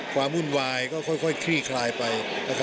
ความวุ่นวายก็ค่อยครีแขลไป